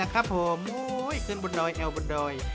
ขึ้นบนดอยแอบบนดอย